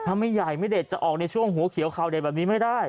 ถ้าไม่ใหญ่ไม่เด็ดจะออกในช่วงหัวเขียวข่าวเด็ดแบบนี้ไม่ได้